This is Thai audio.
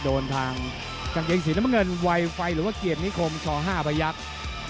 โดนทางกางเกงสีน้ำเงินไวไฟหรือว่าเกียรตินิคมช๕พยักษ์